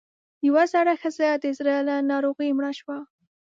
يوه زړه ښځۀ د زړۀ له ناروغۍ مړه شوه